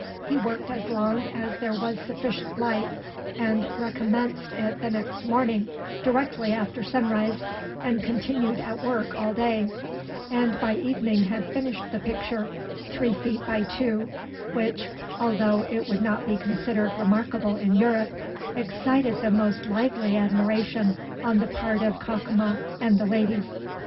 He worked as long as there was sufficient light, and recommenced it the next morning, directly after sunrise, and continued at work all day; and by evening had finished the picture, three feet by two, which, although it would not be considered remarkable in Europe, excited the most lively admiration on the part of Cacama and the ladies.